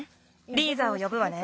リーザをよぶわね。